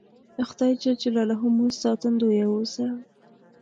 خدای ج مو ساتندویه اوسه